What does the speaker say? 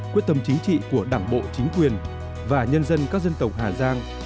quyết tâm chính trị của đảng bộ chính quyền và nhân dân các dân tộc hà giang